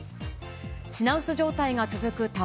品薄状態が続く卵。